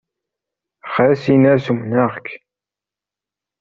Ɣas in-as umneɣ-k.